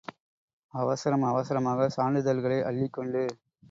அவசரம் அவசரமாக சான்றிதழ்களை அள்ளிக் கொண்டு.